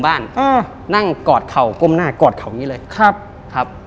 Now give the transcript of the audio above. บ้านอ่านั่งกรอบเข่ากรมหน้ากรอบเข่านี้เลยครับครับ